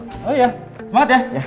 oh iya semangat ya